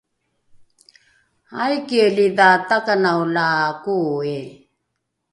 aikielidha takanao la koi?